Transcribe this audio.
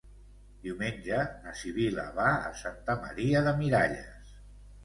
Diumenge na Sibil·la va a Santa Maria de Miralles.